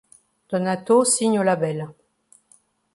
Donato signe au label.